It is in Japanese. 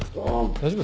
大丈夫？